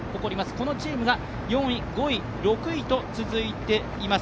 このチームが４位、５位、６位と続いています。